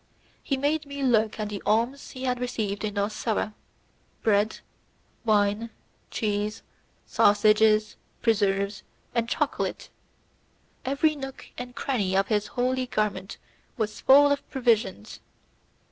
He made me look at the alms he had received in Orsara bread, wine, cheese, sausages, preserves, and chocolate; every nook and cranny of his holy garment was full of provisions.